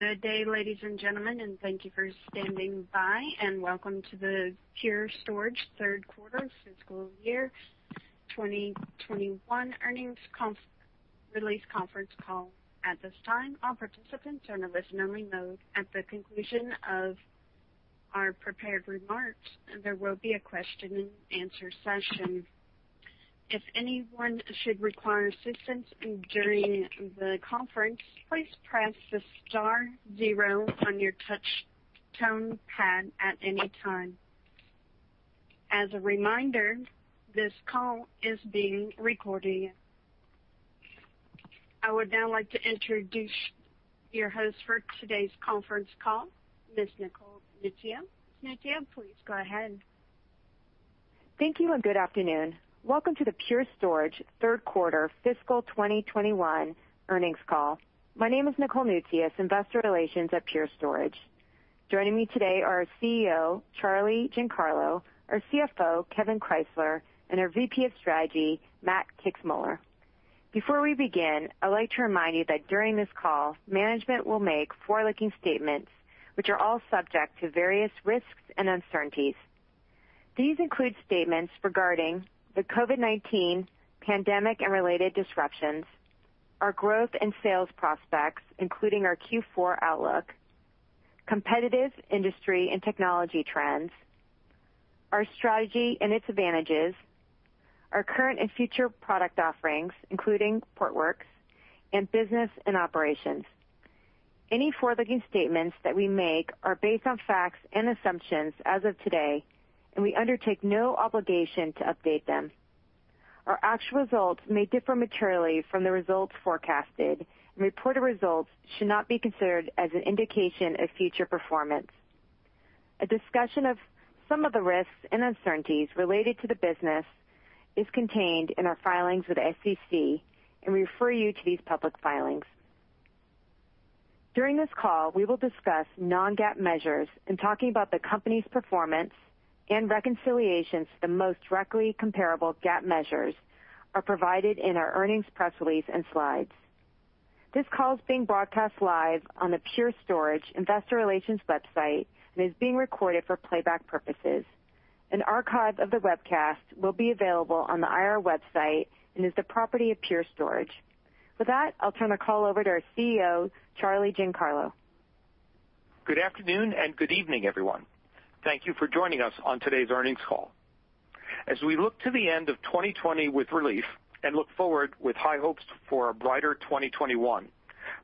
Good day, ladies and gentlemen, and thank you for standing by, and welcome to the Pure Storage third quarter fiscal year 2021 earnings release conference call. At this time, all participants are in a listen-only mode. At the conclusion of our prepared remarks, there will be a question-and-answer session. If anyone should require assistance during the conference, please press the star zero on your touch tone pad at any time. As a reminder, this call is being recorded. I would now like to introduce your host for today's conference call, Ms. Nicole Muoio. Ms. Muoio please go ahead. Thank you and good afternoon. Welcome to the Pure Storage third quarter fiscal 2021 earnings call. My name is Nicole Muoio, investor relations at Pure Storage. Joining me today are CEO Charles Giancarlo, our CFO Kevan Krysler, and our VP of Strategy, Matt Kixmoeller. Before we begin, I'd like to remind you that during this call, management will make forward-looking statements which are all subject to various risks and uncertainties. These include statements regarding the COVID-19 pandemic and related disruptions, our growth and sales prospects, including our Q4 outlook, competitive industry and technology trends, our strategy and its advantages, our current and future product offerings, including Portworx, and business and operations. Any forward-looking statements that we make are based on facts and assumptions as of today, and we undertake no obligation to update them. Our actual results may differ materially from the results forecasted, and reported results should not be considered as an indication of future performance. A discussion of some of the risks and uncertainties related to the business is contained in our filings with the SEC and refer you to these public filings. During this call, we will discuss non-GAAP measures in talking about the company's performance and reconciliations to the most directly comparable GAAP measures are provided in our earnings press release and slides. This call is being broadcast live on the Pure Storage investor relations website and is being recorded for playback purposes. An archive of the webcast will be available on the IR website and is the property of Pure Storage. With that, I'll turn the call over to our CEO, Charles Giancarlo. Good afternoon and good evening, everyone. Thank you for joining us on today's earnings call. As we look to the end of 2020 with relief and look forward with high hopes for a brighter 2021,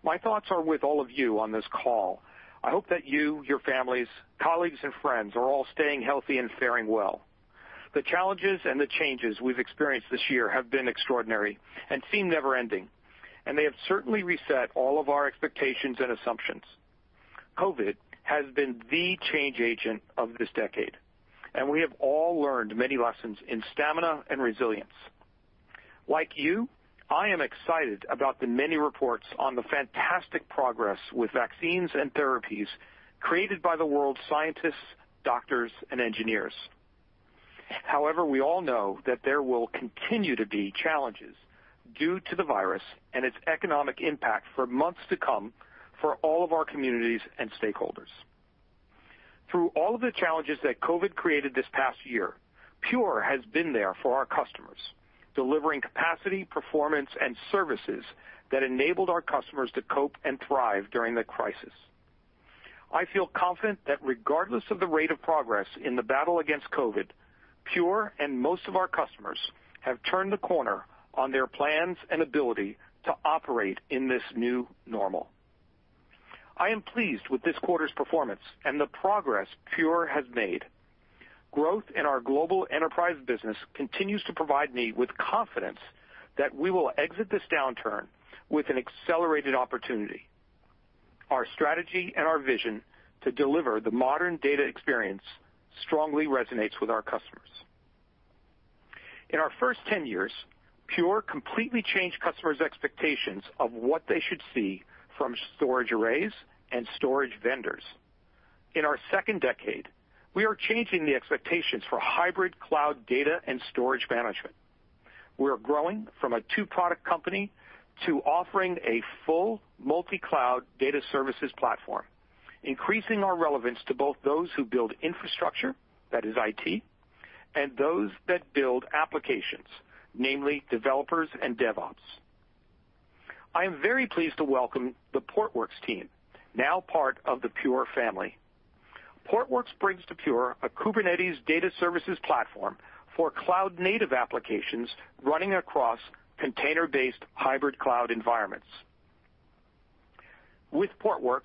my thoughts are with all of you on this call. I hope that you, your families, colleagues, and friends are all staying healthy and fairing well. The challenges and the changes we've experienced this year have been extraordinary and seem never-ending. They have certainly reset all of our expectations and assumptions. COVID has been the change agent of this decade. We have all learned many lessons in stamina and resilience. Like you, I am excited about the many reports on the fantastic progress with vaccines and therapies created by the world's scientists, doctors, and engineers. We all know that there will continue to be challenges due to the virus and its economic impact for months to come for all of our communities and stakeholders. Through all of the challenges that COVID created this past year, Pure has been there for our customers, delivering capacity, performance, and services that enabled our customers to cope and thrive during the crisis. I feel confident that regardless of the rate of progress in the battle against COVID. Pure and most of our customers have turned the corner on their plans and ability to operate in this new normal. I am pleased with this quarter's performance and the progress Pure has made. Growth in our global enterprise business continues to provide me with confidence that we will exit this downturn with an accelerated opportunity. Our strategy and our vision to deliver the modern data experience strongly resonates with our customers. In our first 10 years, Pure completely changed customers' expectations of what they should see from storage arrays and storage vendors. In our second decade, we are changing the expectations for hybrid cloud data and storage management. We are growing from a two-product company to offering a full multi-cloud data services platform, increasing our relevance to both those who build infrastructure, that is IT, and those that build applications, namely developers and DevOps. I am very pleased to welcome the Portworx team, now part of the Pure family. Portworx brings to Pure a Kubernetes data services platform for cloud-native applications running across container-based hybrid cloud environments. With Portworx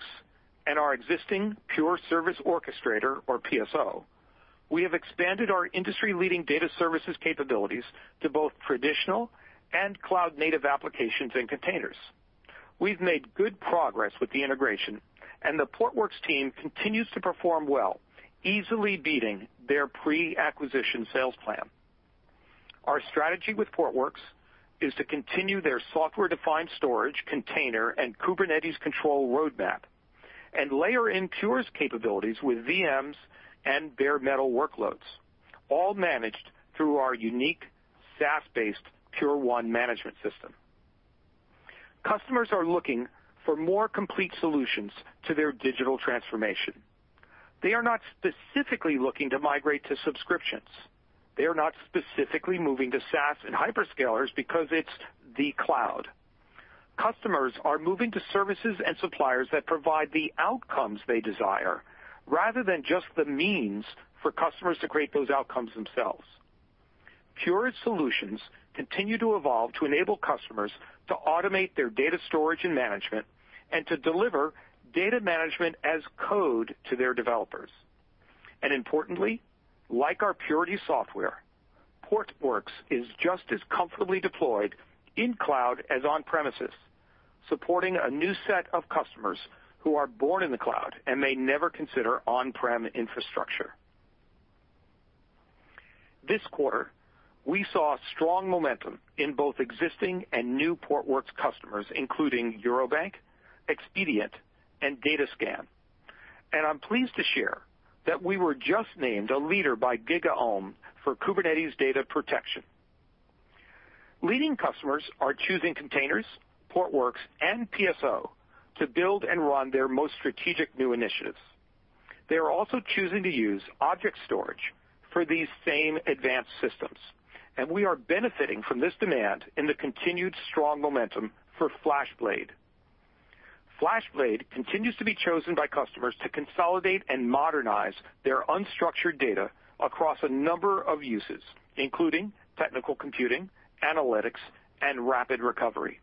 and our existing Pure Service Orchestrator or PSO, we have expanded our industry-leading data services capabilities to both traditional and cloud-native applications and containers. We've made good progress with the integration, and the Portworx team continues to perform well, easily beating their pre-acquisition sales plan. Our strategy with Portworx is to continue their software-defined storage container and Kubernetes control roadmap and layer in Pure's capabilities with VMs and bare metal workloads. All managed through our unique SaaS-based Pure1 management system. Customers are looking for more complete solutions to their digital transformation. They are not specifically looking to migrate to subscriptions. They are not specifically moving to SaaS and hyperscalers because it's the cloud. Customers are moving to services and suppliers that provide the outcomes they desire, rather than just the means for customers to create those outcomes themselves. Pure's solutions continue to evolve to enable customers to automate their data storage and management and to deliver data management as code to their developers. Importantly, like our Purity software, Portworx is just as comfortably deployed in cloud as on-premises, supporting a new set of customers who are born in the cloud and may never consider on-prem infrastructure. This quarter, we saw strong momentum in both existing and new Portworx customers, including Eurobank, Expedient, and Datascan. I'm pleased to share that we were just named a leader by GigaOm for Kubernetes data protection. Leading customers are choosing containers, Portworx, and PSO to build and run their most strategic new initiatives. They are also choosing to use object storage for these same advanced systems, and we are benefiting from this demand in the continued strong momentum for FlashBlade. FlashBlade continues to be chosen by customers to consolidate and modernize their unstructured data across a number of uses, including technical computing, analytics, and rapid recovery.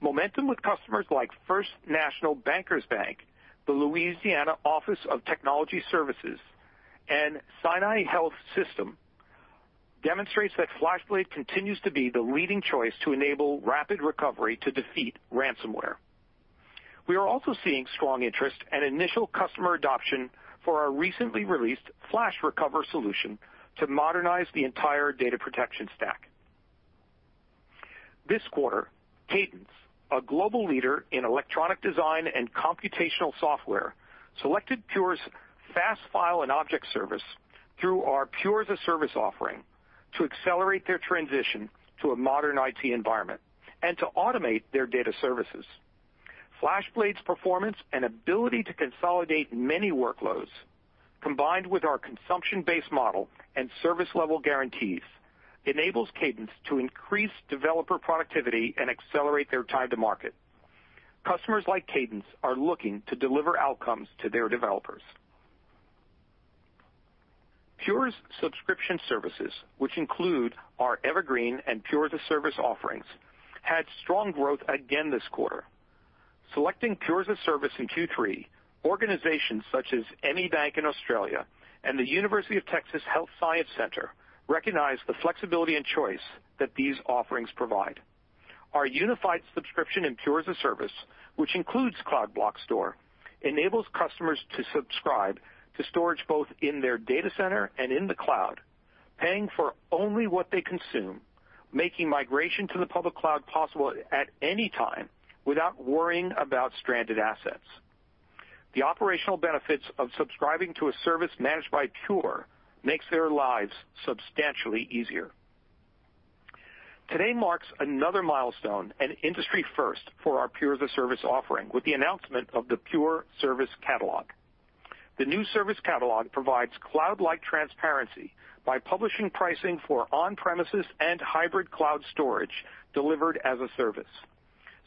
Momentum with customers like First National Bankers Bank, the Louisiana Office of Technology Services, and Sinai Health System demonstrates that FlashBlade continues to be the leading choice to enable rapid recovery to defeat ransomware. We are also seeing strong interest and initial customer adoption for our recently released FlashRecover solution to modernize the entire data protection stack. This quarter, Cadence, a global leader in electronic design and computational software, selected Pure's fast file and object service through our Pure as-a-Service offering to accelerate their transition to a modern IT environment and to automate their data services. FlashBlade's performance and ability to consolidate many workloads, combined with our consumption-based model and service-level guarantees, enables Cadence to increase developer productivity and accelerate their time to market. Customers like Cadence are looking to deliver outcomes to their developers. Pure's subscription services, which include our Evergreen and Pure as-a-Service offerings, had strong growth again this quarter. Selecting Pure as-a-Service in Q3, organizations such as ME Bank in Australia and The University of Texas Health Science Center recognize the flexibility and choice that these offerings provide. Our unified subscription in Pure as-a-Service, which includes Cloud Block Store, enables customers to subscribe to storage both in their data center and in the cloud, paying for only what they consume, making migration to the public cloud possible at any time without worrying about stranded assets. The operational benefits of subscribing to a service managed by Pure makes their lives substantially easier. Today marks another milestone and industry first for our Pure as-a-Service offering with the announcement of the Pure Service Catalog. The new service catalog provides cloud-like transparency by publishing pricing for on-premises and hybrid cloud storage delivered as a service,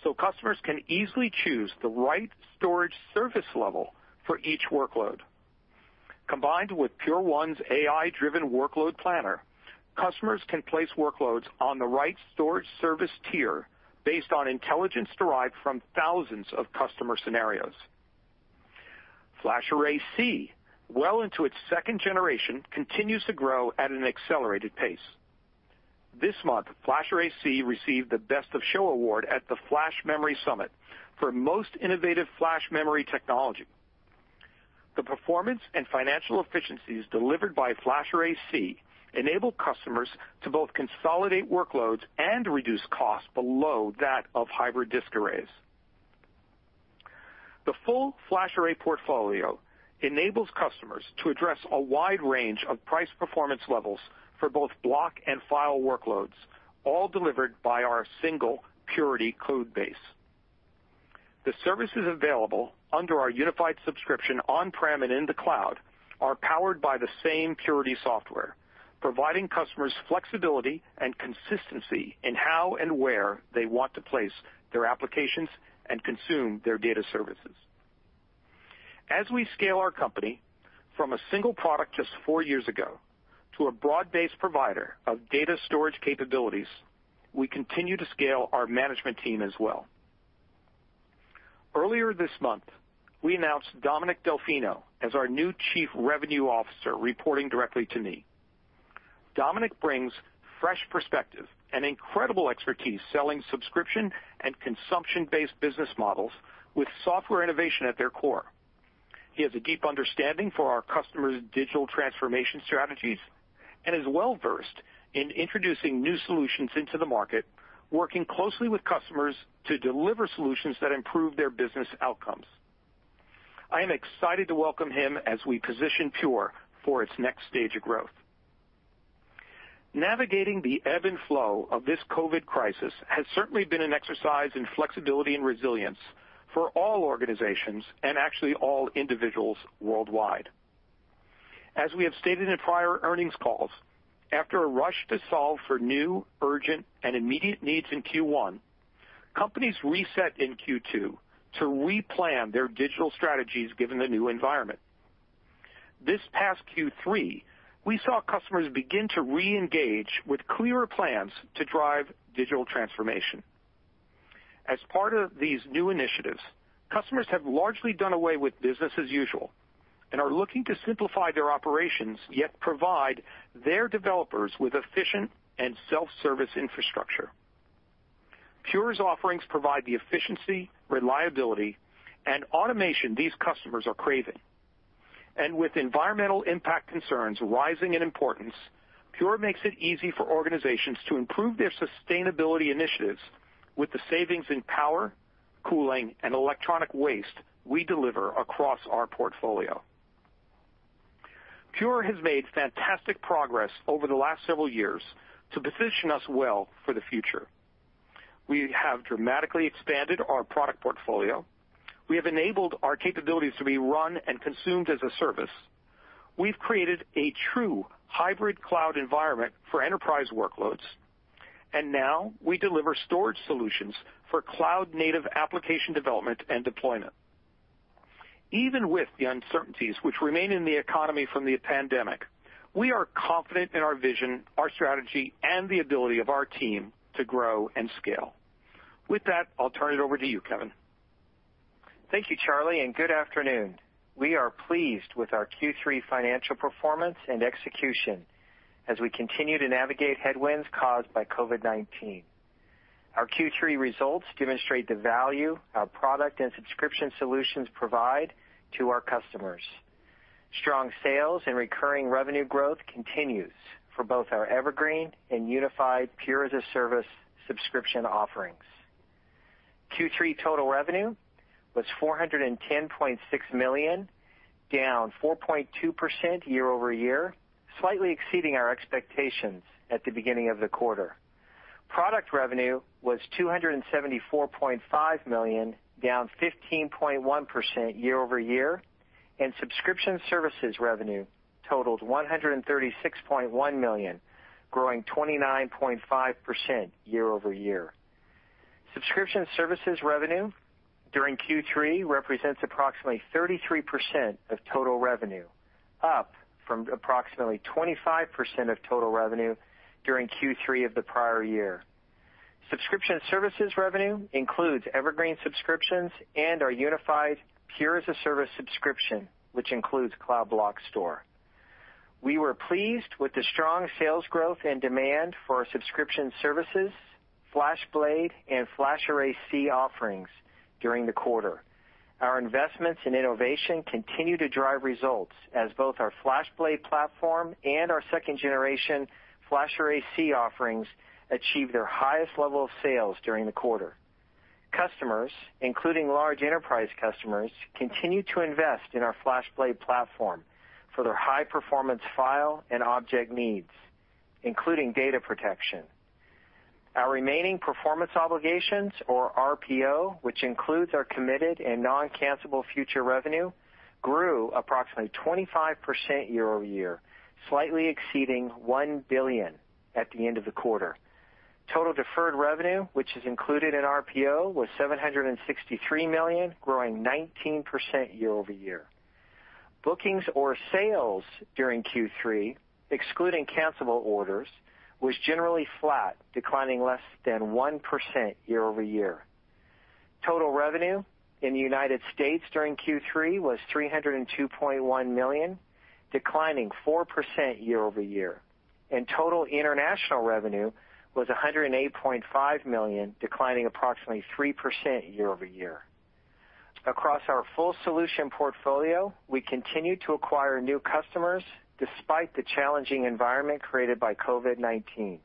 so customers can easily choose the right storage service level for each workload. Combined with Pure1's AI-driven workload planner, customers can place workloads on the right storage service tier based on intelligence derived from thousands of customer scenarios. FlashArray//C, well into its second generation, continues to grow at an accelerated pace. This month, FlashArray//C received the Best of Show Award at the Flash Memory Summit for most innovative flash memory technology. The performance and financial efficiencies delivered by FlashArray//C enable customers to both consolidate workloads and reduce costs below that of hybrid disk arrays. The full FlashArray portfolio enables customers to address a wide range of price performance levels for both block and file workloads, all delivered by our single Purity code base. The services available under our unified subscription on-prem and in the cloud are powered by the same Purity software, providing customers flexibility and consistency in how and where they want to place their applications and consume their data services. As we scale our company from a single product just four years ago to a broad-based provider of data storage capabilities, we continue to scale our management team as well. Earlier this month, we announced Dominick Delfino as our new Chief Revenue Officer, reporting directly to me. Dominick brings fresh perspective and incredible expertise selling subscription and consumption-based business models with software innovation at their core. He has a deep understanding for our customers' digital transformation strategies and is well-versed in introducing new solutions into the market, working closely with customers to deliver solutions that improve their business outcomes. I am excited to welcome him as we position Pure for its next stage of growth. Navigating the ebb and flow of this COVID crisis has certainly been an exercise in flexibility and resilience for all organizations and actually all individuals worldwide. As we have stated in prior earnings calls, after a rush to solve for new urgent and immediate needs in Q1, companies reset in Q2 to replan their digital strategies given the new environment. This past Q3, we saw customers begin to re-engage with clearer plans to drive digital transformation. As part of these new initiatives, customers have largely done away with business as usual and are looking to simplify their operations, yet provide their developers with efficient and self-service infrastructure. Pure's offerings provide the efficiency, reliability, and automation these customers are craving. With environmental impact concerns rising in importance, Pure makes it easy for organizations to improve their sustainability initiatives with the savings in power, cooling, and electronic waste we deliver across our portfolio. Pure has made fantastic progress over the last several years to position us well for the future. We have dramatically expanded our product portfolio. We have enabled our capabilities to be run and consumed as a service. We've created a true hybrid cloud environment for enterprise workloads, now we deliver storage solutions for cloud-native application development and deployment. Even with the uncertainties which remain in the economy from the pandemic, we are confident in our vision, our strategy, and the ability of our team to grow and scale. With that, I'll turn it over to you, Kevan. Thank you, Charlie, and good afternoon. We are pleased with our Q3 financial performance and execution as we continue to navigate headwinds caused by COVID-19. Our Q3 results demonstrate the value our product and subscription solutions provide to our customers. Strong sales and recurring revenue growth continues for both our Evergreen and unified Pure as-a-Service subscription offerings. Q3 total revenue was $410.6 million, down 4.2% year-over-year, slightly exceeding our expectations at the beginning of the quarter. Product revenue was $274.5 million, down 15.1% year-over-year. Subscription services revenue totaled $136.1 million, growing 29.5% year-over-year. Subscription services revenue during Q3 represents approximately 33% of total revenue, up from approximately 25% of total revenue during Q3 of the prior year. Subscription services revenue includes Evergreen subscriptions and our unified Pure as-a-Service subscription, which includes Cloud Block Store. We were pleased with the strong sales growth and demand for our subscription services, FlashBlade, and FlashArray//C offerings during the quarter. Our investments in innovation continue to drive results as both our FlashBlade platform and our second generation FlashArray//C offerings achieved their highest level of sales during the quarter. Customers, including large enterprise customers, continue to invest in our FlashBlade platform for their high-performance file and object needs, including data protection. Our remaining performance obligations or RPO, which includes our committed and non-cancelable future revenue, grew approximately 25% year-over-year, slightly exceeding $1 billion at the end of the quarter. Total deferred revenue, which is included in RPO, was $763 million, growing 19% year-over-year. Bookings or sales during Q3, excluding cancelable orders, was generally flat, declining less than 1% year-over-year. Total revenue in the United States during Q3 was $302.1 million, declining 4% year-over-year, and total international revenue was $108.5 million, declining approximately 3% year-over-year. Across our full solution portfolio, we continued to acquire new customers despite the challenging environment created by COVID-19.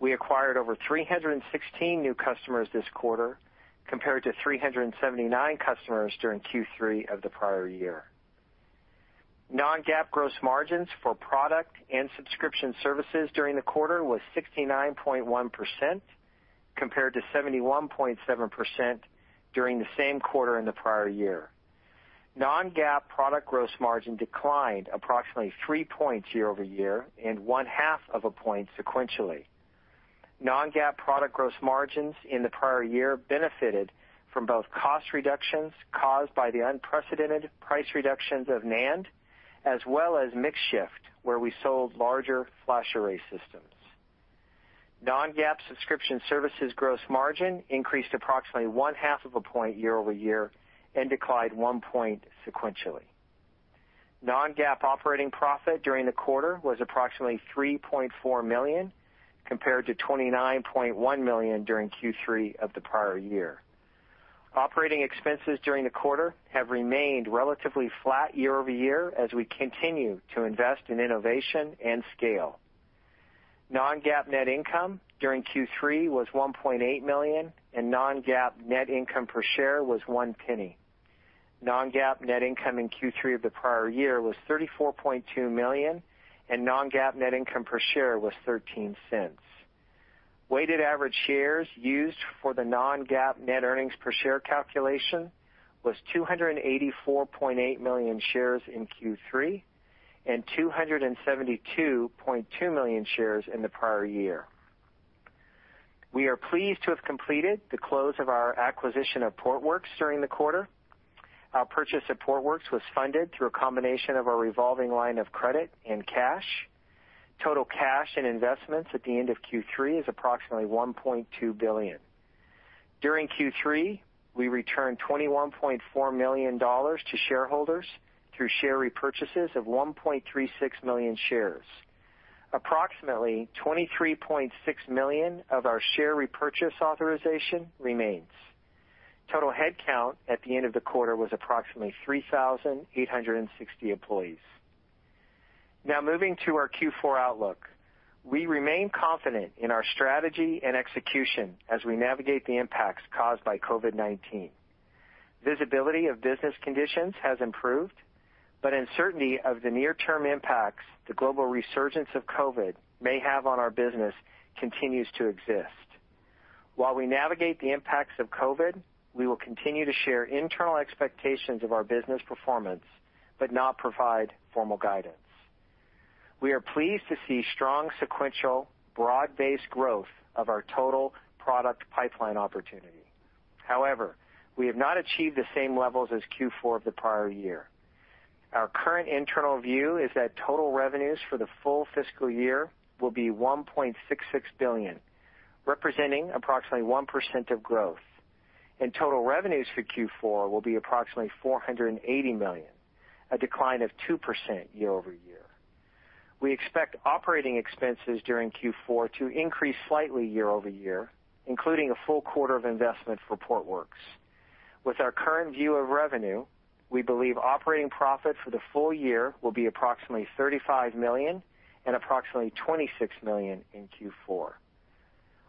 We acquired over 316 new customers this quarter, compared to 379 customers during Q3 of the prior year. Non-GAAP gross margins for product and subscription services during the quarter was 69.1%, compared to 71.7% during the same quarter in the prior year. Non-GAAP product gross margin declined approximately three points year-over-year and one-half of a point sequentially. Non-GAAP product gross margins in the prior year benefited from both cost reductions caused by the unprecedented price reductions of NAND, as well as mix shift, where we sold larger FlashArray systems. Non-GAAP subscription services gross margin increased approximately one-half of a point year-over-year and declined one point sequentially. Non-GAAP operating profit during the quarter was approximately $3.4 million, compared to $29.1 million during Q3 of the prior year. Operating expenses during the quarter have remained relatively flat year-over-year as we continue to invest in innovation and scale. Non-GAAP net income during Q3 was $1.8 million, and non-GAAP net income per share was $0.01. Non-GAAP net income in Q3 of the prior year was $34.2 million, and non-GAAP net income per share was $0.13. Weighted average shares used for the non-GAAP net earnings per share calculation was 284.8 million shares in Q3, and 272.2 million shares in the prior year. We are pleased to have completed the close of our acquisition of Portworx during the quarter. Our purchase of Portworx was funded through a combination of our revolving line of credit and cash. Total cash and investments at the end of Q3 is approximately $1.2 billion. During Q3, we returned $21.4 million to shareholders through share repurchases of 1.36 million shares. Approximately $23.6 million of our share repurchase authorization remains. Total headcount at the end of the quarter was approximately 3,860 employees. Moving to our Q4 outlook. We remain confident in our strategy and execution as we navigate the impacts caused by COVID-19. Visibility of business conditions has improved, but uncertainty of the near-term impacts the global resurgence of COVID may have on our business continues to exist. While we navigate the impacts of COVID, we will continue to share internal expectations of our business performance, but not provide formal guidance. We are pleased to see strong sequential broad-based growth of our total product pipeline opportunity. However, we have not achieved the same levels as Q4 of the prior year. Our current internal view is that total revenues for the full fiscal year will be $1.66 billion, representing approximately 1% of growth, and total revenues for Q4 will be approximately $480 million, a decline of 2% year-over-year. We expect operating expenses during Q4 to increase slightly year-over-year, including a full quarter of investment for Portworx. With our current view of revenue, we believe operating profit for the full year will be approximately $35 million and approximately $26 million in Q4.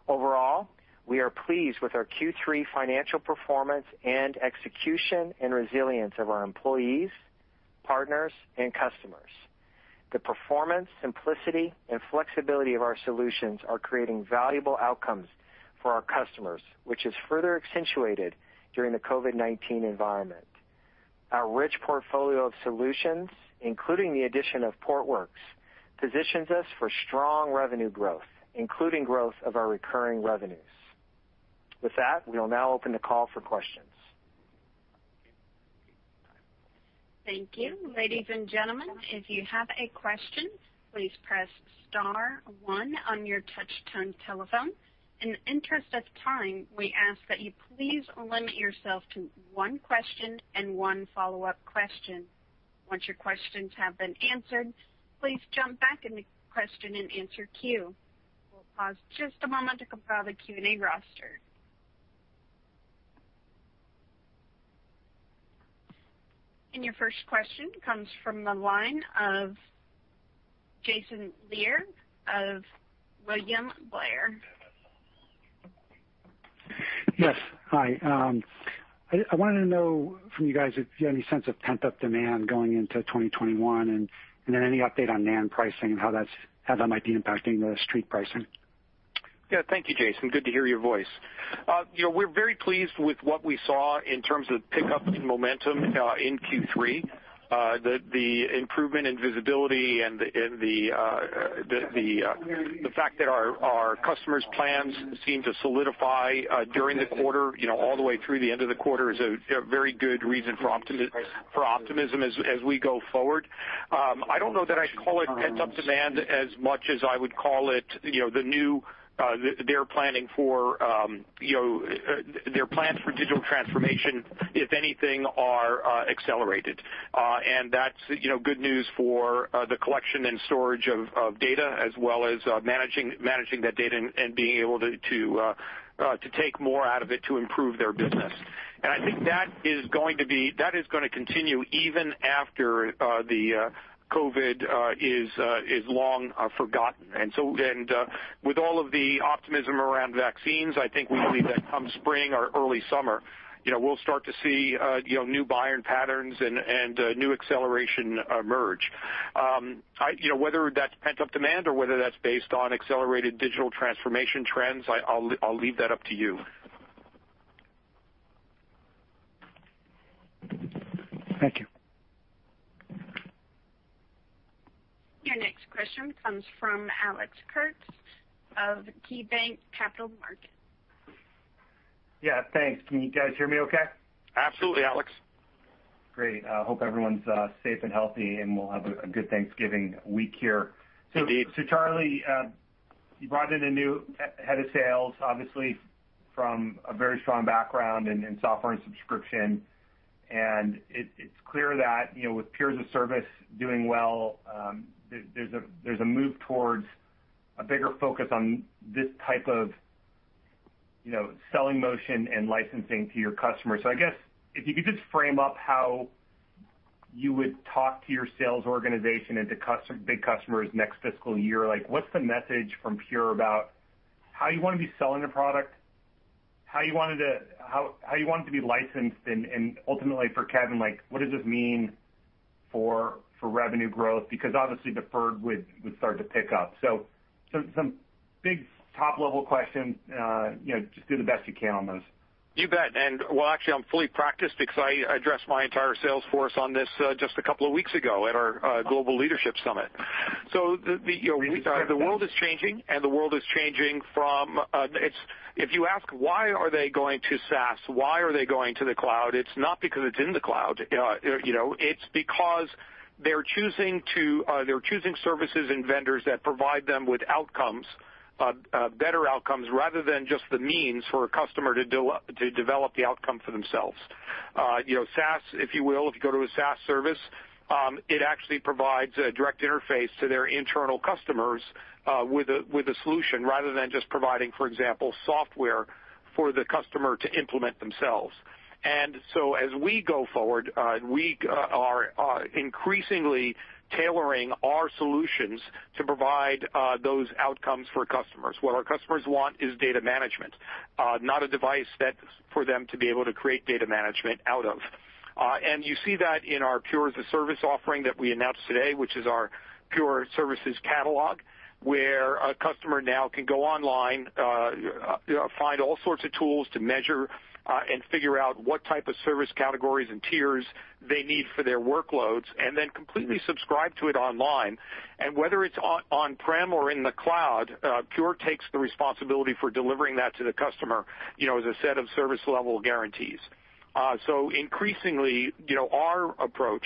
Overall, we are pleased with our Q3 financial performance and execution and resilience of our employees, partners, and customers. The performance, simplicity, and flexibility of our solutions are creating valuable outcomes for our customers, which is further accentuated during the COVID-19 environment. Our rich portfolio of solutions, including the addition of Portworx, positions us for strong revenue growth, including growth of our recurring revenues. With that, we will now open the call for questions. Thank you. Ladies and gentlemen, if you have a question, please press star one on your touch-tone telephone. In the interest of time, we ask that you please limit yourself to one question and one follow-up question. Once your questions have been answered, please jump back in the question and answer queue. We'll pause just a moment to compile the Q&A roster. Your first question comes from the line of Jason Ader of William Blair. Yes. Hi. I wanted to know from you guys if you had any sense of pent-up demand going into 2021. Any update on [NAND] pricing and how that might be impacting the street pricing. Yeah. Thank you, Jason. Good to hear your voice. We're very pleased with what we saw in terms of pickup in momentum in Q3. The improvement in visibility and the fact that our customers' plans seem to solidify during the quarter, all the way through the end of the quarter, is a very good reason for optimism as we go forward. I don't know that I'd call it pent-up demand as much as I would call it their plans for digital transformation, if anything, are accelerated. That's good news for the collection and storage of data, as well as managing that data and being able to take more out of it to improve their business. I think that is going to continue even after the COVID is long forgotten. With all of the optimism around vaccines, I think we believe that come spring or early summer, we'll start to see new buying patterns and new acceleration emerge. Whether that's pent-up demand or whether that's based on accelerated digital transformation trends, I'll leave that up to you. Thank you. Your next question comes from Alex Kurtz of KeyBanc Capital Markets. Yeah. Thanks. Can you guys hear me okay? Absolutely, Alex. Great. Hope everyone's safe and healthy, and we'll have a good Thanksgiving week here. Indeed. Charlie, you brought in a new head of sales, obviously from a very strong background in software and subscription, and it's clear that with Pure as-a-Service doing well, there's a move towards a bigger focus on this type of selling motion and licensing to your customers. I guess if you could just frame up how you would talk to your sales organization and to big customers next fiscal year. What's the message from Pure about how you want to be selling the product? How you want it to be licensed? Ultimately for Kevan, what does this mean for revenue growth? Because obviously deferred would start to pick up. Some big top level questions. Just do the best you can on those. You bet. Well, actually, I'm fully practiced because I addressed my entire sales force on this just a couple of weeks ago at our global leadership summit. We appreciate that. The world is changing, and the world is changing from, if you ask why are they going to SaaS, why are they going to the cloud, it's not because it's in the cloud. It's because they're choosing services and vendors that provide them with better outcomes rather than just the means for a customer to develop the outcome for themselves. SaaS, if you will, if you go to a SaaS service, it actually provides a direct interface to their internal customers with a solution rather than just providing, for example, software for the customer to implement themselves. As we go forward, we are increasingly tailoring our solutions to provide those outcomes for customers. What our customers want is data management, not a device for them to be able to create data management out of. You see that in our Pure as-a-Service offering that we announced today, which is our Pure Service Catalog, where a customer now can go online, find all sorts of tools to measure, and figure out what type of service categories and tiers they need for their workloads, then completely subscribe to it online. Whether it's on-prem or in the cloud, Pure takes the responsibility for delivering that to the customer as a set of service level guarantees. Increasingly, our approach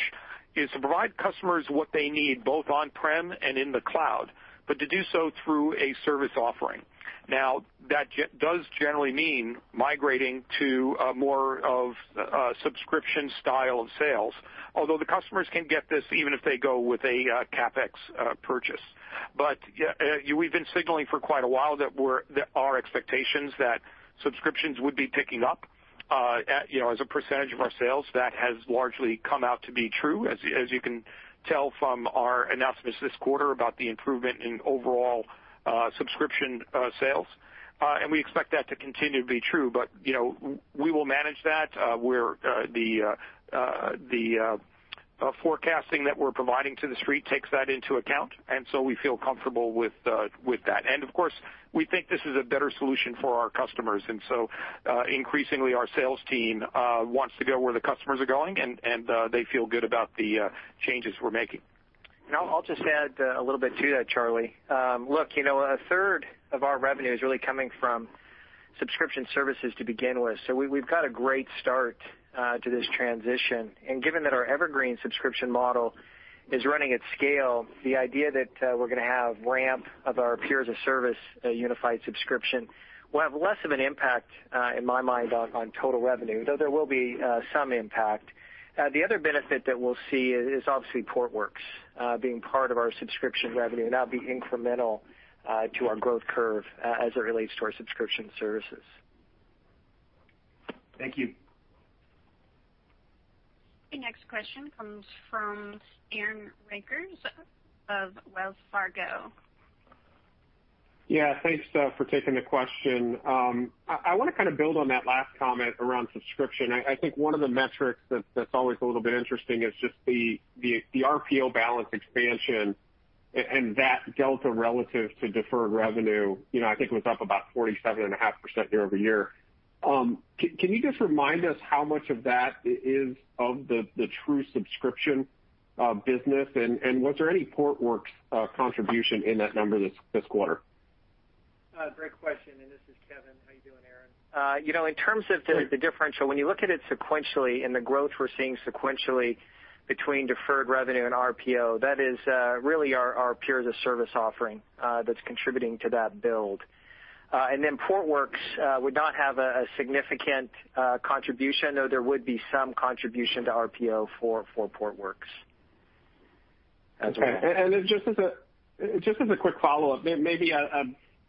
is to provide customers what they need both on-prem and in the cloud, but to do so through a service offering. Now, that does generally mean migrating to more of a subscription style of sales, although the customers can get this even if they go with a CapEx purchase. We've been signaling for quite a while that our expectations that subscriptions would be picking up as a percentage of our sales. That has largely come out to be true, as you can tell from our announcements this quarter about the improvement in overall subscription sales. We expect that to continue to be true, but we will manage that. The forecasting that we're providing to the street takes that into account, and so we feel comfortable with that. Of course, we think this is a better solution for our customers. Increasingly, our sales team wants to go where the customers are going, and they feel good about the changes we're making. I'll just add a little bit to that, Charlie. Look, a third of our revenue is really coming from subscription services to begin with. We've got a great start to this transition. Given that our Evergreen subscription model is running at scale, the idea that we're going to have ramp of our Pure as-a-Service unified subscription will have less of an impact, in my mind, on total revenue, though there will be some impact. The other benefit that we'll see is obviously Portworx being part of our subscription revenue and that being incremental to our growth curve as it relates to our subscription services. Thank you. The next question comes from Aaron Rakers of Wells Fargo. Yeah, thanks for taking the question. I want to kind of build on that last comment around subscription. I think one of the metrics that's always a little bit interesting is just the RPO balance expansion and that delta relative to deferred revenue. I think it was up about 47.5% year-over-year. Can you just remind us how much of that is of the true subscription business, and was there any Portworx contribution in that number this quarter? Great question. This is Kevan. How you doing, Aaron? In terms of the differential, when you look at it sequentially and the growth we're seeing sequentially between deferred revenue and RPO, that is really our Pure as-a-Service offering that's contributing to that build. Portworx would not have a significant contribution, though there would be some contribution to RPO for Portworx as well. Okay. Just as a quick follow-up, maybe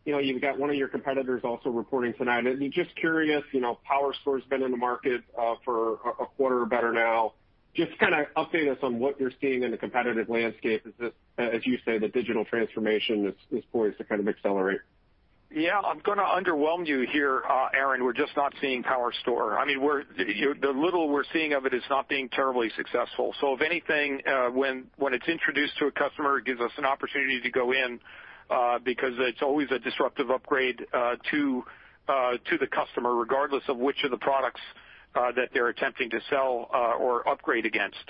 you've got one of your competitors also reporting tonight. I'm just curious, PowerStore's been in the market for a quarter or better now. Just to kind of update us on what you're seeing in the competitive landscape as you say the digital transformation is poised to kind of accelerate. Yeah. I'm going to underwhelm you here, Aaron. We're just not seeing PowerStore. The little we're seeing of it is not being terribly successful. If anything, when it's introduced to a customer, it gives us an opportunity to go in because it's always a disruptive upgrade to the customer, regardless of which of the products that they're attempting to sell or upgrade against.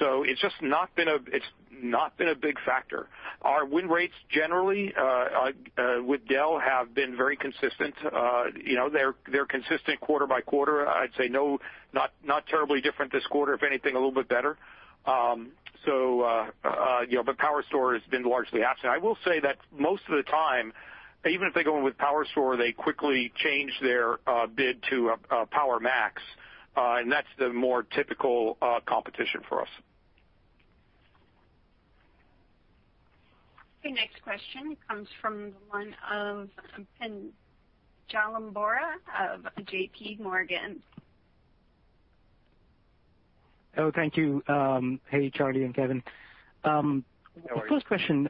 It's just not been a big factor. Our win rates generally with Dell have been very consistent. They're consistent quarter by quarter. I'd say not terribly different this quarter, if anything, a little bit better. PowerStore has been largely absent. I will say that most of the time, even if they go in with PowerStore, they quickly change their bid to PowerMax, and that's the more typical competition for us. Okay, next question comes from the one of Pinjalim Bora of JPMorgan. Oh, thank you. Hey, Charlie and Kevan. First question,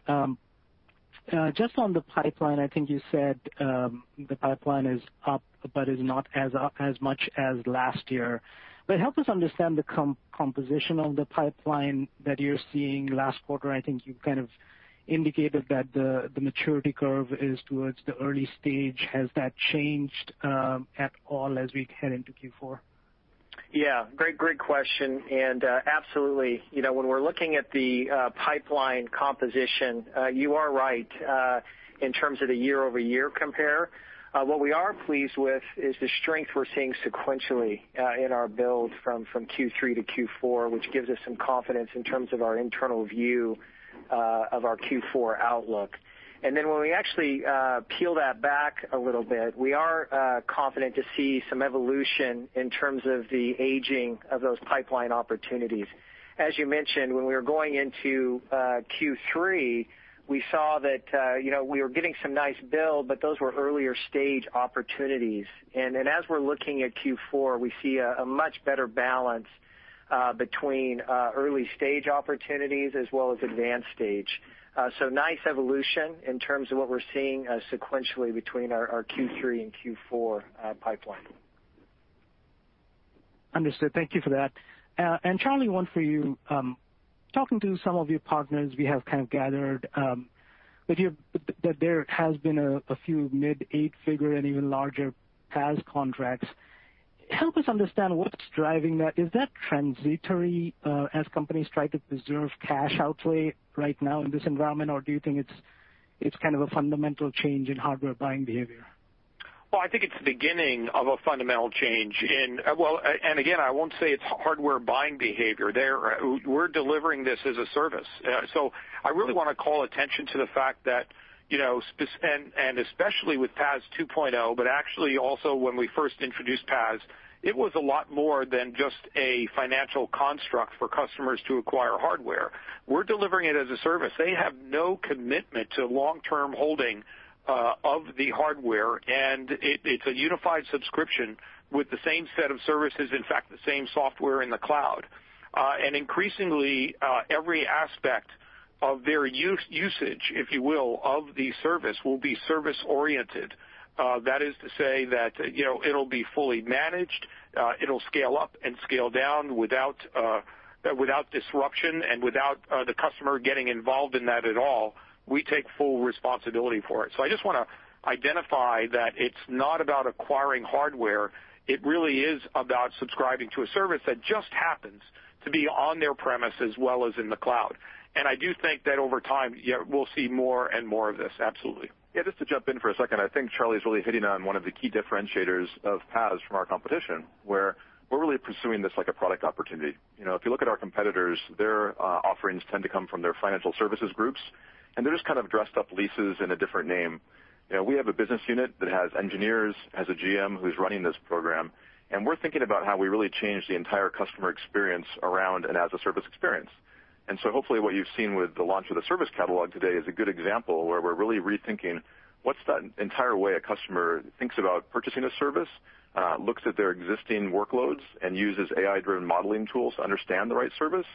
just on the pipeline, I think you said the pipeline is up but is not as up as much as last year. Help us understand the composition of the pipeline that you're seeing last quarter? I think you kind of indicated that the maturity curve is towards the early stage. Has that changed at all as we head into Q4? Yeah. Great question. Absolutely. When we're looking at the pipeline composition, you are right in terms of the year-over-year compare. What we are pleased with is the strength we're seeing sequentially in our build from Q3 to Q4, which gives us some confidence in terms of our internal view of our Q4 outlook. When we actually peel that back a little bit, we are confident to see some evolution in terms of the aging of those pipeline opportunities. As you mentioned, when we were going into Q3, we saw that we were getting some nice build, but those were earlier-stage opportunities. As we're looking at Q4, we see a much better balance between early-stage opportunities as well as advanced stage. Nice evolution in terms of what we're seeing sequentially between our Q3 and Q4 pipeline. Understood. Thank you for that. Charlie, one for you. Talking to some of your partners, we have kind of gathered that there has been a few mid 8-figure and even larger PaaS contracts. Help us understand what's driving that. Is that transitory as companies try to preserve cash outlay right now in this environment, or do you think it's kind of a fundamental change in hardware buying behavior? I think it's the beginning of a fundamental change. Again, I won't say it's hardware buying behavior. We're delivering this as a service. I really want to call attention to the fact that, especially with PaaS 2.0, actually also when we first introduced PaaS, it was a lot more than just a financial construct for customers to acquire hardware. We're delivering it as a service. They have no commitment to long-term holding of the hardware. It's a unified subscription with the same set of services, in fact, the same software in the cloud. Increasingly, every aspect of their usage, if you will, of the service will be service-oriented. That is to say that it'll be fully managed, it'll scale up and scale down without disruption and without the customer getting involved in that at all. We take full responsibility for it. I just want to identify that it's not about acquiring hardware. It really is about subscribing to a service that just happens to be on their premise as well as in the cloud. I do think that over time, we'll see more and more of this. Absolutely. Yeah, just to jump in for a second, I think Charlie's really hitting on one of the key differentiators of PaaS from our competition, where we're really pursuing this like a product opportunity. If you look at our competitors, their offerings tend to come from their financial services groups, and they're just kind of dressed up leases in a different name. We have a business unit that has engineers, has a GM who's running this program, and we're thinking about how we really change the entire customer experience around an as-a-Service experience. Hopefully what you've seen with the launch of the service catalog today is a good example where we're really rethinking what's the entire way a customer thinks about purchasing a service, looks at their existing workloads and uses AI-driven modeling tools to understand the right service,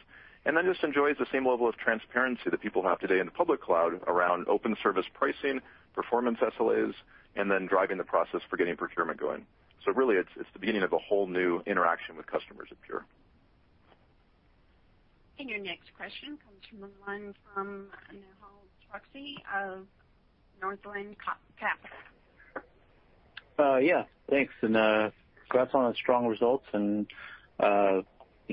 and then just enjoys the same level of transparency that people have today in the public cloud around open service pricing, performance SLAs, and then driving the process for getting procurement going. Really, it's the beginning of a whole new interaction with customers at Pure. Your next question comes from one from Nehal Chokshi of Northland Capital Markets. Thanks, congrats on the strong results and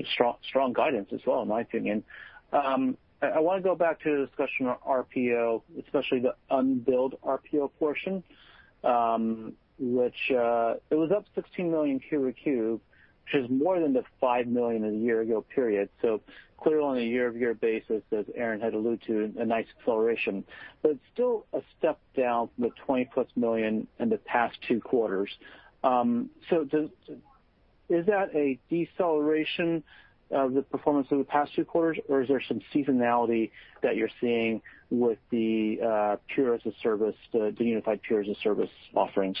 strong guidance as well, in my opinion. I want to go back to the discussion on RPO, especially the unbilled RPO portion, which it was up $16 million Q-over-Q, which is more than the $5 million a year ago period. Clearly on a year-over-year basis, as Aaron had alluded to, a nice acceleration. It's still a step down from the $20-plus million in the past two quarters. Is that a deceleration of the performance of the past two quarters, or is there some seasonality that you're seeing with the Pure as-a-Service, the unified Pure as-a-Service offerings?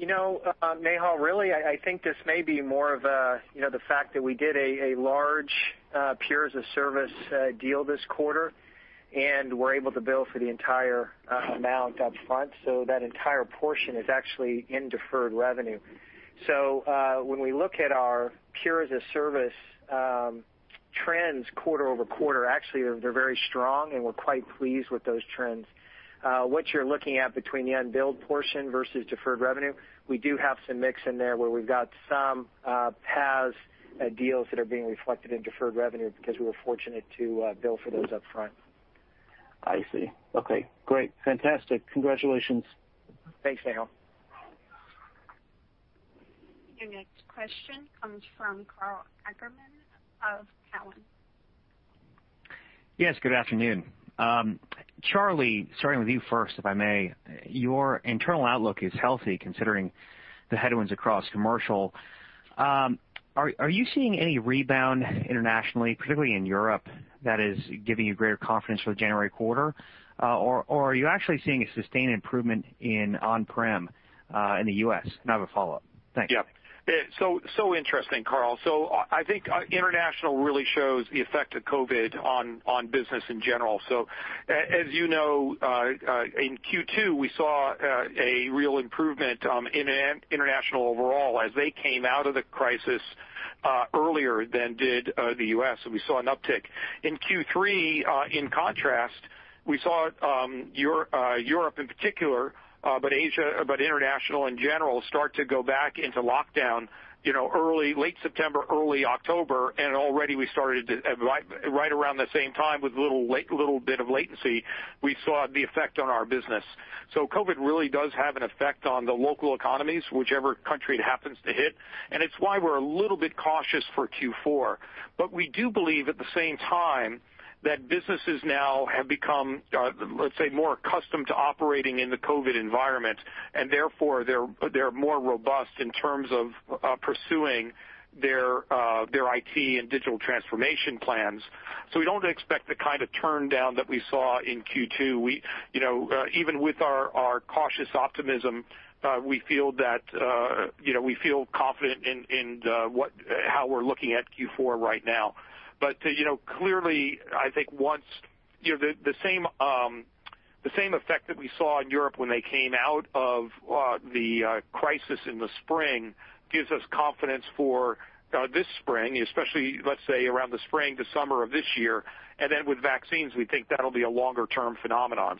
Nehal, really, I think this may be more of the fact that we did a large Pure as-a-Service deal this quarter, and we're able to bill for the entire amount up front. That entire portion is actually in deferred revenue. When we look at our Pure as-a-Service trends quarter-over-quarter, actually, they're very strong, and we're quite pleased with those trends. What you're looking at between the unbilled portion versus deferred revenue, we do have some mix in there where we've got some PaaS deals that are being reflected in deferred revenue because we were fortunate to bill for those up front. I see. Okay, great. Fantastic. Congratulations. Thanks, Nehal. Your next question comes from Karl Ackerman of Cowen. Yes, good afternoon. Charlie, starting with you first, if I may. Your internal outlook is healthy considering the headwinds across commercial. Are you seeing any rebound internationally, particularly in Europe, that is giving you greater confidence for the January quarter? Are you actually seeing a sustained improvement in on-prem in the U.S.? I have a follow-up. Thanks. Yeah. Interesting, Karl. I think international really shows the effect of COVID on business in general. As you know, in Q2, we saw a real improvement in international overall as they came out of the crisis earlier than did the U.S., and we saw an uptick. In Q3, in contrast, we saw Europe in particular, but international in general start to go back into lockdown late September, early October, and already we started right around the same time with little bit of latency, we saw the effect on our business. COVID really does have an effect on the local economies, whichever country it happens to hit, and it's why we're a little bit cautious for Q4. We do believe at the same time that businesses now have become, let's say, more accustomed to operating in the COVID environment, and therefore they're more robust in terms of pursuing their IT and digital transformation plans. We don't expect the kind of turndown that we saw in Q2. Even with our cautious optimism, we feel confident in how we're looking at Q4 right now. Clearly, I think the same effect that we saw in Europe when they came out of the crisis in the spring gives us confidence for this spring, especially, let's say, around the spring to summer of this year. Then with vaccines, we think that'll be a longer-term phenomenon.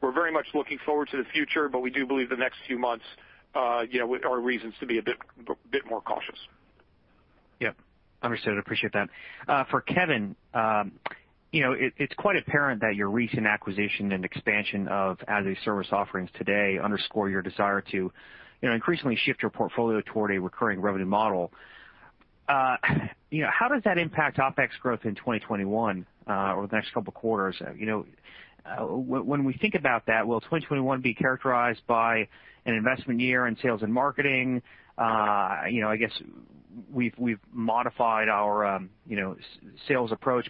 We're very much looking forward to the future, but we do believe the next few months are reasons to be a bit more cautious. Yeah. Understood. Appreciate that. For Kevan, it's quite apparent that your recent acquisition and expansion of as-a-service offerings today underscore your desire to increasingly shift your portfolio toward a recurring revenue model. How does that impact OpEx growth in 2021 over the next couple of quarters? When we think about that, will 2021 be characterized by an investment year in sales and marketing? I guess we've modified our sales approach.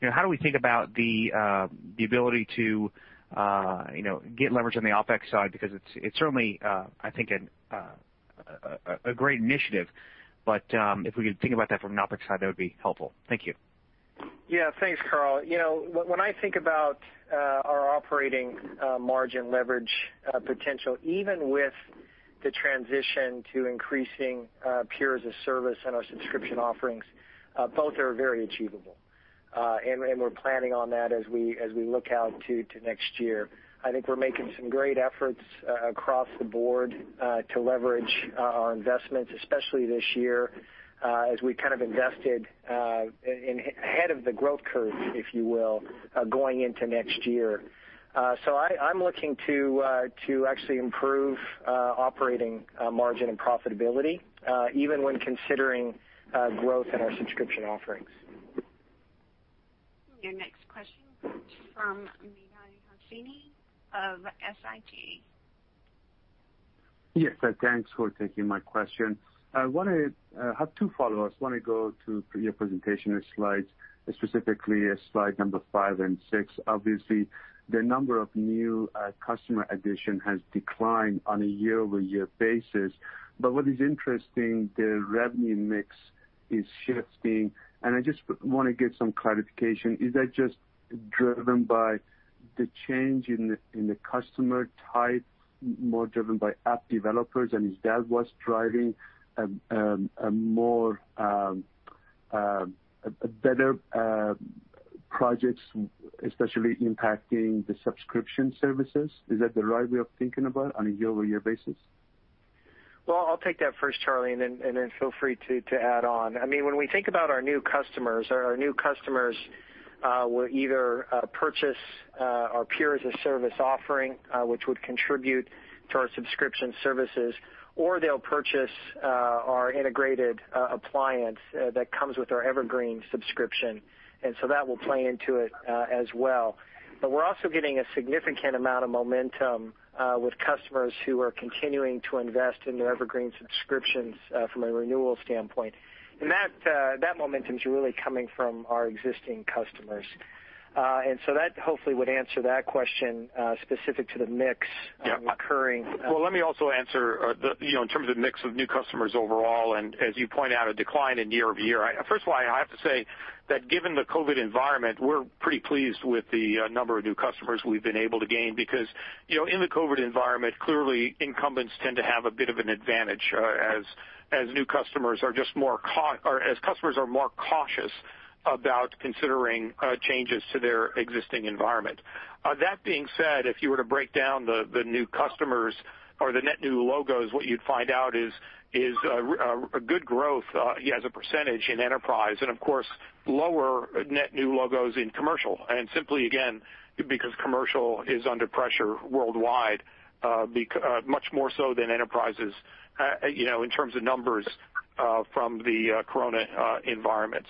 How do we think about the ability to get leverage on the OpEx side? It's certainly, I think, a great initiative, but if we could think about that from an OpEx side, that would be helpful. Thank you. Yeah. Thanks, Karl. When I think about our operating margin leverage potential, even with the transition to increasing Pure as-a-Service and our subscription offerings, both are very achievable. We're planning on that as we look out to next year. I think we're making some great efforts across the board to leverage our investments, especially this year, as we kind of invested ahead of the growth curve, if you will, going into next year. I'm looking to actually improve operating margin and profitability, even when considering growth in our subscription offerings. Your next question comes from Mehdi Hosseini of SIG. Yes. Thanks for taking my question. I have two follow-ups. I go to your presentation slides, specifically slide number five and six. Obviously, the number of new customer addition has declined on a year-over-year basis. What is interesting, the revenue mix is shifting, and I just want to get some clarification. Is that just driven by the change in the customer type, more driven by app developers, and if that was driving better projects, especially impacting the subscription services? Is that the right way of thinking about on a year-over-year basis? I'll take that first, Charlie, and then feel free to add on. When we think about our new customers, our new customers will either purchase our Pure as-a-Service offering, which would contribute to our subscription services, or they'll purchase our integrated appliance that comes with our Evergreen subscription. That will play into it as well. We're also getting a significant amount of momentum with customers who are continuing to invest in their Evergreen subscriptions from a renewal standpoint. That momentum is really coming from our existing customers. That hopefully would answer that question specific to the mix recurring. Yeah. Well, let me also answer in terms of mix of new customers overall, and as you point out, a decline in year-over-year. First of all, I have to say that given the COVID environment, we're pretty pleased with the number of new customers we've been able to gain, because in the COVID environment, clearly incumbents tend to have a bit of an advantage as customers are more cautious about considering changes to their existing environment. That being said, if you were to break down the new customers or the net new logos, what you'd find out is a good growth as a percentage in enterprise, and of course, lower net new logos in commercial. Simply, again, because commercial is under pressure worldwide much more so than enterprises in terms of numbers from the COVID environment.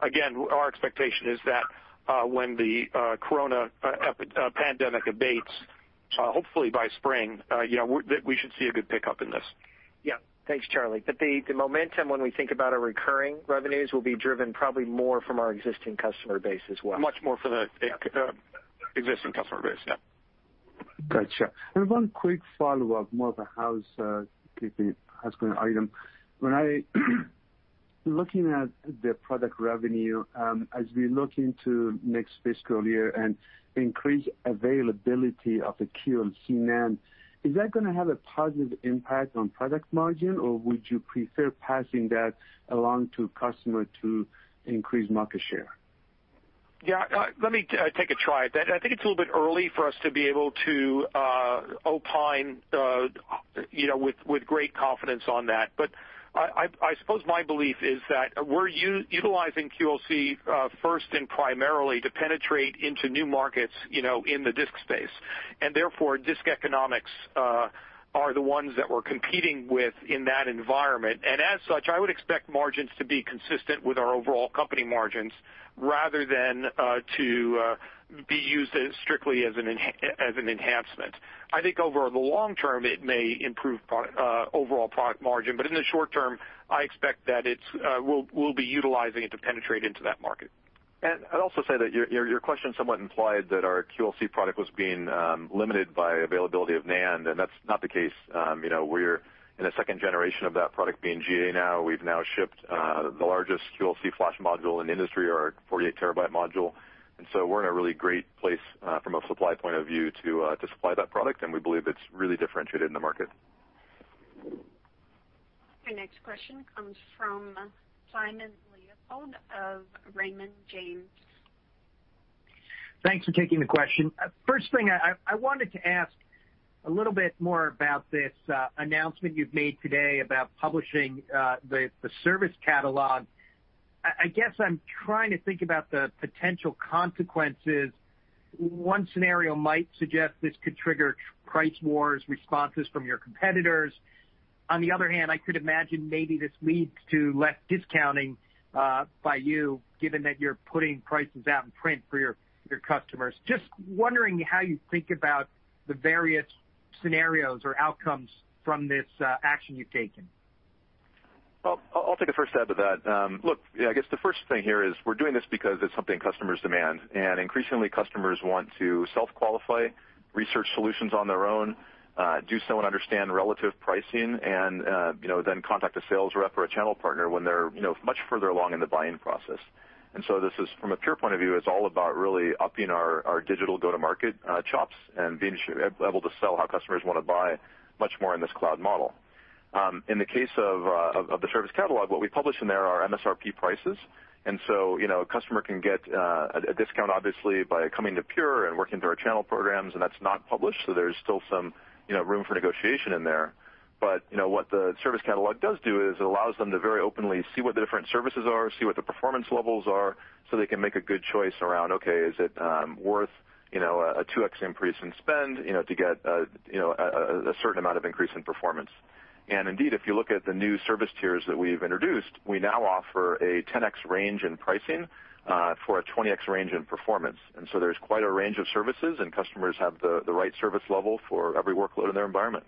Again, our expectation is that when the Corona pandemic abates, hopefully by spring, we should see a good pickup in this. Yeah. Thanks, Charlie. The momentum, when we think about our recurring revenues, will be driven probably more from our existing customer base as well. Much more from the existing customer base. Yeah. One quick follow-up, more of a housekeeping item. When I looking at the product revenue, as we look into next fiscal year and increased availability of the QLC NAND, is that going to have a positive impact on product margin, or would you prefer passing that along to customer to increase market share? Yeah. Let me take a try at that. I think it's a little bit early for us to be able to opine with great confidence on that. I suppose my belief is that we're utilizing QLC first and primarily to penetrate into new markets in the disk space. Therefore, disk economics are the ones that we're competing with in that environment. As such, I would expect margins to be consistent with our overall company margins rather than to be used strictly as an enhancement. I think over the long term, it may improve overall product margin. In the short term, I expect that we'll be utilizing it to penetrate into that market. I'd also say that your question somewhat implied that our QLC product was being limited by availability of NAND, and that's not the case. We're in the second generation of that product being GA now. We've now shipped the largest QLC flash module in the industry, our 48 TB module. So we're in a really great place from a supply point of view to supply that product, and we believe it's really differentiated in the market. Our next question comes from Simon Leopold of Raymond James. Thanks for taking the question. First thing, I wanted to ask a little bit more about this announcement you've made today about publishing the Pure Service Catalog. I guess I'm trying to think about the potential consequences. One scenario might suggest this could trigger price wars responses from your competitors. On the other hand, I could imagine maybe this leads to less discounting by you, given that you're putting prices out in print for your customers. Just wondering how you think about the various scenarios or outcomes from this action you've taken. I'll take a first stab at that. Look, I guess the first thing here is we're doing this because it's something customers demand. Increasingly, customers want to self-qualify, research solutions on their own, do so and understand relative pricing, and then contact a sales rep or a channel partner when they're much further along in the buying process. This is, from a Pure point of view, it's all about really upping our digital go-to-market chops and being able to sell how customers want to buy much more in this cloud model. In the case of the Pure Service Catalog, what we publish in there are MSRP prices. A customer can get a discount, obviously, by coming to Pure and working through our channel programs, and that's not published, so there's still some room for negotiation in there. What the service catalog does do is it allows them to very openly see what the different services are, see what the performance levels are, so they can make a good choice around, okay, is it worth a 2X increase in spend to get a certain amount of increase in performance? Indeed, if you look at the new service tiers that we've introduced, we now offer a 10x range in pricing for a 20x range in performance. There's quite a range of services, and customers have the right service level for every workload in their environment.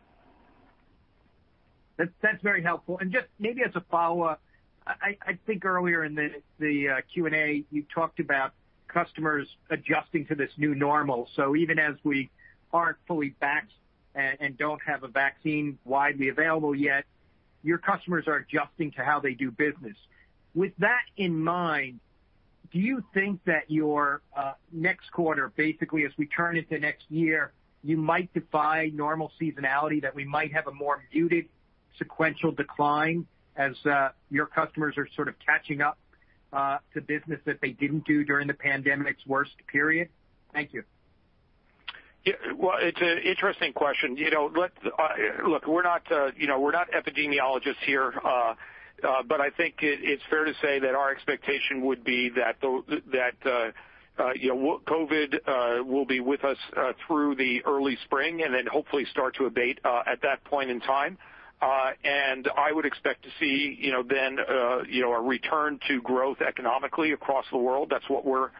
That's very helpful. Just maybe as a follow-up, I think earlier in the Q&A, you talked about customers adjusting to this new normal. Even as we aren't fully vaxed and don't have a vaccine widely available yet, your customers are adjusting to how they do business. With that in mind, do you think that your next quarter, basically as we turn into next year, you might defy normal seasonality, that we might have a more muted sequential decline as your customers are sort of catching up to business that they didn't do during the pandemic's worst period? Thank you. Yeah. Well, it's an interesting question. Look, we're not epidemiologists here. I think it's fair to say that our expectation would be that COVID will be with us through the early spring and then hopefully start to abate at that point in time. I would expect to see then a return to growth economically across the world. That's what we're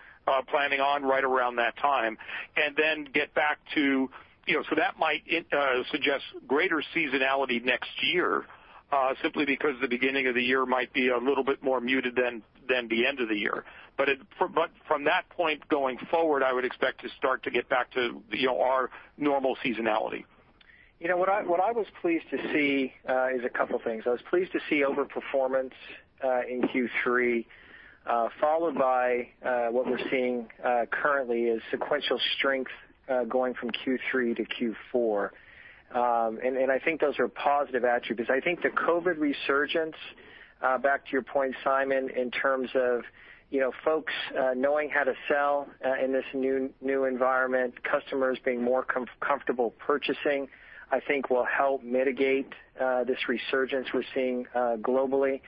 planning on right around that time. That might suggest greater seasonality next year, simply because the beginning of the year might be a little bit more muted than the end of the year. From that point going forward, I would expect to start to get back to our normal seasonality. What I was pleased to see is a couple things. I was pleased to see overperformance in Q3 followed by what we're seeing currently is sequential strength going from Q3-Q4. I think those are positive attributes. I think the COVID resurgence, back to your point, Simon, in terms of folks knowing how to sell in this new environment, customers being more comfortable purchasing, I think will help mitigate this resurgence we're seeing globally.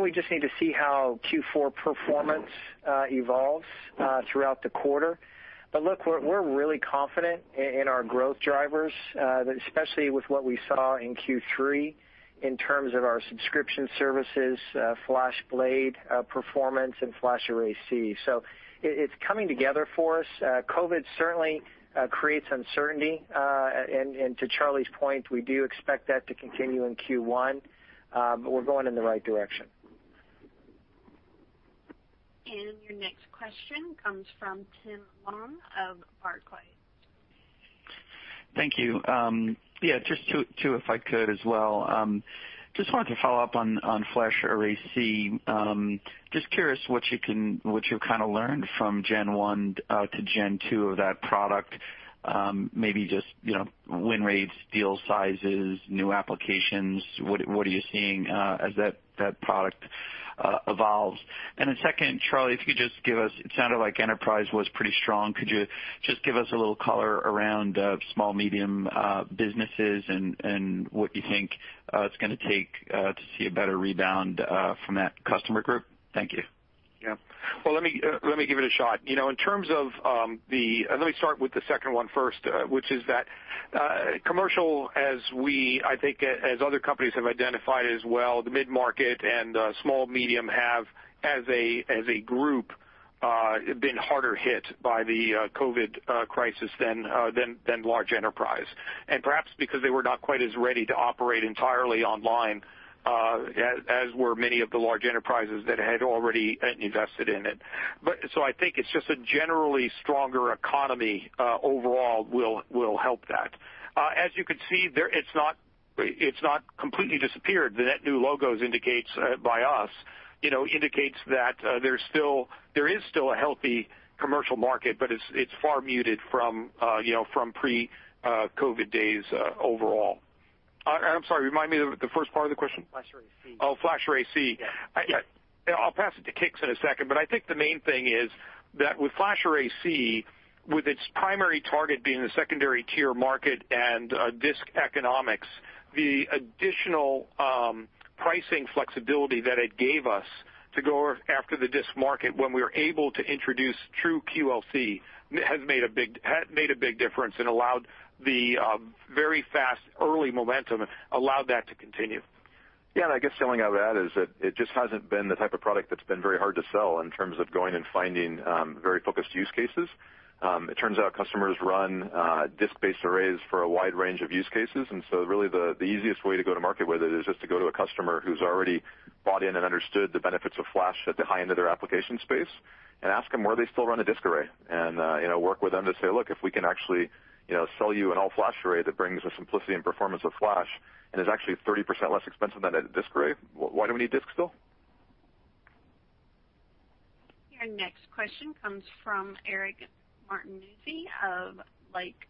We just need to see how Q4 performance evolves throughout the quarter. Look, we're really confident in our growth drivers, especially with what we saw in Q3 in terms of our subscription services, FlashBlade performance, and FlashArray//C. It's coming together for us. COVID certainly creates uncertainty, and to Charlie's point, we do expect that to continue in Q1. We're going in the right direction. Your next question comes from Tim Long of Barclays. Thank you. Yeah, just two if I could as well. Just wanted to follow up on FlashArray//C. Just curious what you've learned from gen one to gen two of that product. Maybe just win rates, deal sizes, new applications. What are you seeing as that product evolves? Second, Charlie, it sounded like enterprise was pretty strong. Could you just give us a little color around small, medium businesses and what you think it's going to take to see a better rebound from that customer group? Thank you. Yeah. Well, let me give it a shot. Let me start with the second one first, which is that commercial, I think as other companies have identified as well, the mid-market and small, medium have, as a group been harder hit by the COVID crisis than large enterprise. Perhaps because they were not quite as ready to operate entirely online as were many of the large enterprises that had already invested in it. I think it's just a generally stronger economy overall will help that. As you can see, it's not completely disappeared. The net new logos indicates by us, indicates that there is still a healthy commercial market, but it's far muted from pre-COVID days overall. I'm sorry, remind me the first part of the question. FlashArray//C. Oh, FlashArray//C. Yeah. I'll pass it to Kix in a second. I think the main thing is that with FlashArray//C, with its primary target being the secondary tier market and disk economics, the additional pricing flexibility that it gave us to go after the disk market when we were able to introduce true QLC has made a big difference and allowed the very fast early momentum, allowed that to continue. Yeah, I guess the only other add is that it just hasn't been the type of product that's been very hard to sell in terms of going and finding very focused use cases. It turns out customers run disk-based arrays for a wide range of use cases. Really the easiest way to go to market with it is just to go to a customer who's already bought in and understood the benefits of Flash at the high end of their application space and ask them where they still run a disk array and work with them to say, look, if we can actually sell you an all Flash array that brings the simplicity and performance of Flash and is actually 30% less expensive than a disk array, why do we need disk still? Your next question comes from Eric Martinuzzi of Lake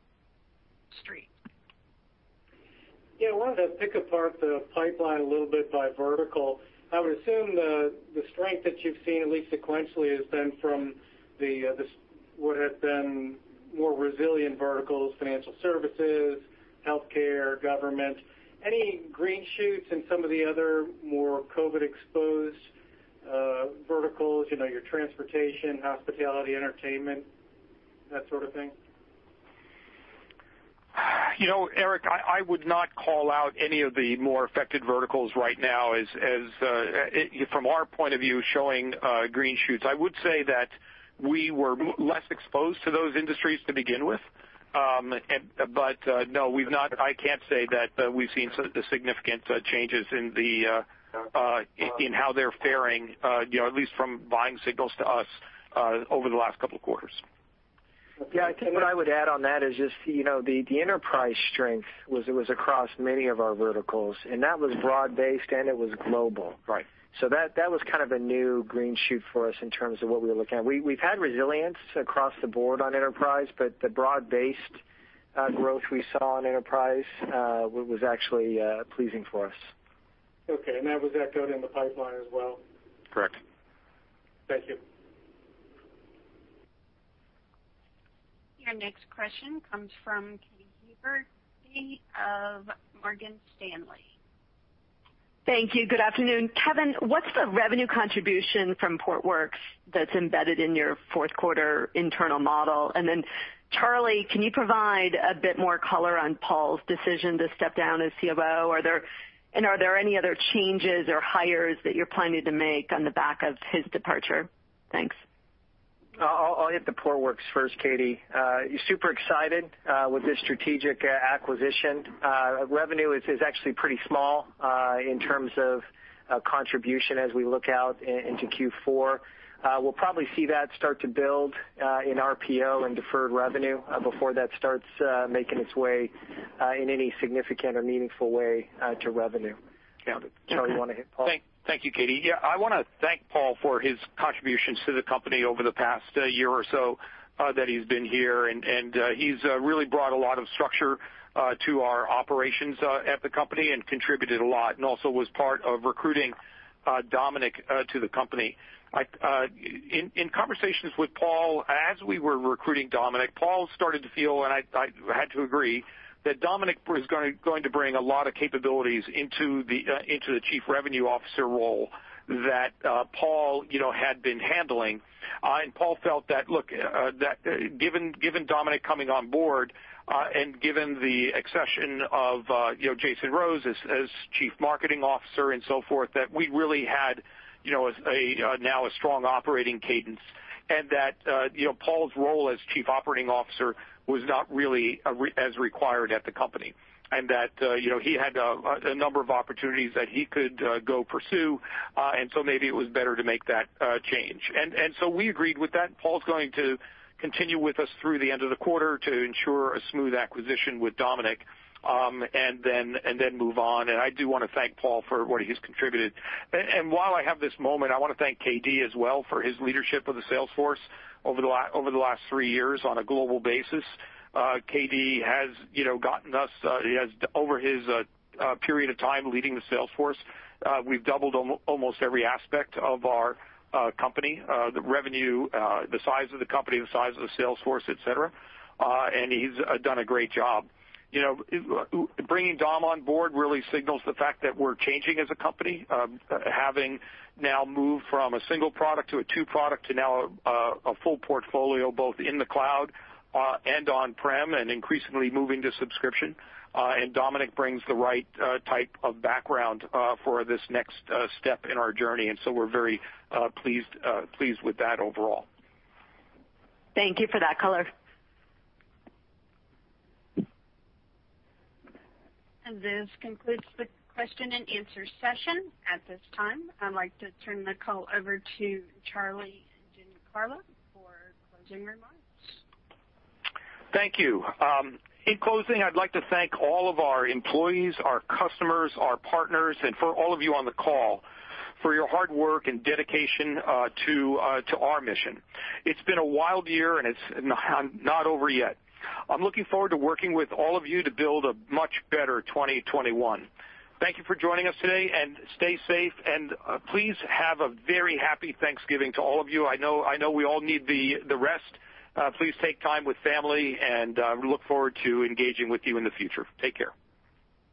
Street. Yeah, I wanted to pick apart the pipeline a little bit by vertical. I would assume the strength that you've seen, at least sequentially, has been from what have been more resilient verticals, financial services, healthcare, government. Any green shoots in some of the other more COVID-exposed verticals, your transportation, hospitality, entertainment, that sort of thing? Eric, I would not call out any of the more affected verticals right now as from our point of view showing green shoots. I would say that we were less exposed to those industries to begin with. No, I can't say that we've seen significant changes in how they're faring at least from buying signals to us over the last couple of quarters. Yeah, I think what I would add on that is just the enterprise strength was across many of our verticals, and that was broad-based, and it was global. Right. That was kind of a new green shoot for us in terms of what we were looking at. We've had resilience across the board on enterprise, but the broad-based growth we saw on enterprise was actually pleasing for us. Okay, that was echoed in the pipeline as well? Correct. Thank you. Your next question comes from Katy Huberty of Morgan Stanley. Thank you. Good afternoon. Kevan, what's the revenue contribution from Portworx that's embedded in your fourth quarter internal model? Charlie, can you provide a bit more color on Paul's decision to step down as CFO? Are there any other changes or hires that you're planning to make on the back of his departure? Thanks. I'll hit the Portworx first, Katy. Super excited with this strategic acquisition. Revenue is actually pretty small in terms of contribution as we look out into Q4. We'll probably see that start to build in RPO and deferred revenue before that starts making its way in any significant or meaningful way to revenue. Charlie, you want to hit Paul? Thank you, Katy. Yeah, I want to thank Paul for his contributions to the company over the past year or so that he's been here, and he's really brought a lot of structure to our operations at the company and contributed a lot, and also was part of recruiting Dominick to the company. In conversations with Paul, as we were recruiting Dominick, Paul started to feel, and I had to agree, that Dominick was going to bring a lot of capabilities into the Chief Revenue Officer role that Paul had been handling. Paul felt that, look, that given Dominick coming on board, and given the accession of Jason Rose as Chief Marketing Officer and so forth, that we really had now a strong operating cadence, and that Paul's role as Chief Operating Officer was not really as required at the company, and that he had a number of opportunities that he could go pursue, so maybe it was better to make that change. We agreed with that, and Paul's going to continue with us through the end of the quarter to ensure a smooth acquisition with Dominick, then move on. I do want to thank Paul for what he's contributed. While I have this moment, I want to thank Kevan as well for his leadership of the sales force over the last three years on a global basis. KD has gotten, he has, over his period of time leading the sales force, we've doubled almost every aspect of our company, the revenue, the size of the company, the size of the sales force, et cetera. He's done a great job. Bringing Dom on board really signals the fact that we're changing as a company, having now moved from a single product to a two product to now a full portfolio, both in the cloud and on-prem, and increasingly moving to subscription. Dominick brings the right type of background for this next step in our journey, we're very pleased with that overall. Thank you for that color. This concludes the question-and-answer session. At this time, I'd like to turn the call over to Charlie Giancarlo for closing remarks. Thank you. In closing, I'd like to thank all of our employees, our customers, our partners, and for all of you on the call for your hard work and dedication to our mission. It's been a wild year, and it's not over yet. I'm looking forward to working with all of you to build a much better 2021. Thank you for joining us today, and stay safe, and please have a very happy Thanksgiving to all of you. I know we all need the rest. Please take time with family, and we look forward to engaging with you in the future. Take care.